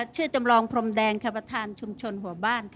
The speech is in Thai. จำลองพรมแดงประธานชุมชนหัวบ้าน